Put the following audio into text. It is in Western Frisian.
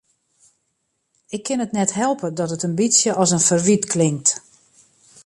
Ik kin it net helpe dat it in bytsje as in ferwyt klinkt.